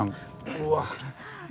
うわ！